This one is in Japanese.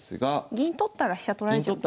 銀取ったら飛車取られちゃうんですね。